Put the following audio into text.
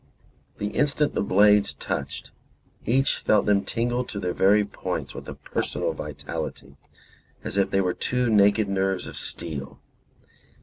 The instant the blades touched, each felt them tingle to their very points with a personal vitality, as if they were two naked nerves of steel.